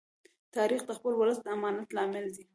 تاریخ د خپل ولس د امانت لامل دی.